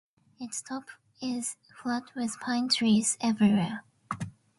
Its top is flat with pine trees everywhere.